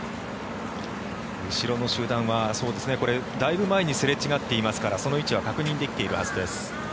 後ろの集団はだいぶ前にすれ違っていますからその位置は確認できているはずです。